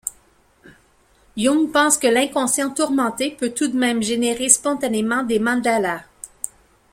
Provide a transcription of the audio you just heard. Jung pense que l'inconscient tourmenté peut tout de même générer spontanément des mandalas.